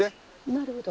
なるほど。